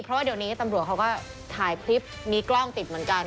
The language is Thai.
เพราะว่าเดี๋ยวนี้ตำรวจเขาก็ถ่ายคลิปมีกล้องติดเหมือนกัน